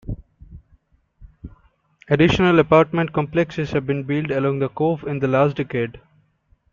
Additional apartment complexes have been built along the cove in the last decade.